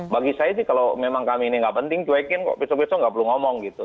bagi saya sih kalau memang kami ini nggak penting cuekin kok besok besok nggak perlu ngomong gitu